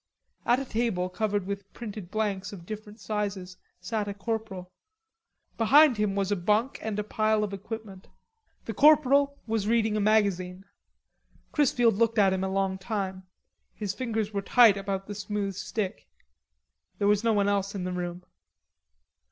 At a table covered with printed blanks of different size sat a corporal; behind him was a bunk and a pile of equipment. The corporal was reading a magazine. Chrisfield looked at him a long time; his fingers were tight about the smooth stick. There was no one else in the room.